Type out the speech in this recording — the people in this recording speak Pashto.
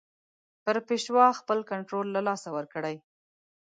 پر پېشوا خپل کنټرول له لاسه ورکړي.